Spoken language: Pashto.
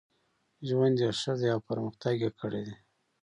ژوند یې ښه دی او پرمختګ یې کړی دی.